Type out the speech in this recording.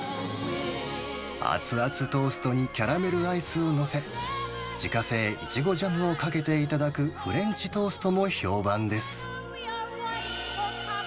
熱々トーストにキャラメルアイスを載せ、自家製イチゴジャムをかけて頂くフレンチトーストも評判です。